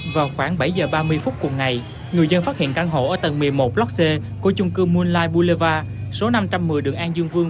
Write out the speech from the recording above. vào khoảng bảy h ba mươi phút cuối ngày người dân phát hiện căn hộ ở tầng một mươi một block c của chung cư moonlight boulevard số năm trăm một mươi đường an dương vương